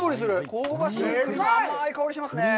香ばしくて、甘い香りがしますね。